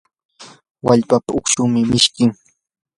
wallpapa ukshun mishkim.